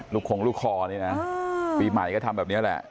คงลูกคอนี่นะปีใหม่ก็ทำแบบนี้แหละ